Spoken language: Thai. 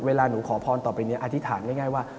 เวลาหนูขอพรต่อไปเนี่ยอธิษฐานง่ายว่า